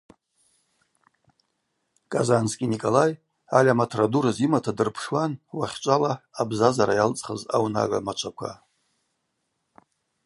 Казанский Николай гӏальаматра ду рызйымата дырпшуан уахьчӏвала абзазара йалцӏхыз аунагӏва мачваква.